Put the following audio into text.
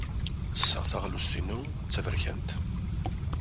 Ttesseɣ taɣlust-inu d taberkant.